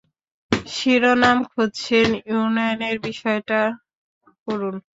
শিরোনাম খুঁজছেন, ইউনিয়নের বিষয়টা করুন।